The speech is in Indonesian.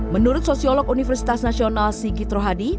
menurut sosiolog universitas nasional sigi trohadi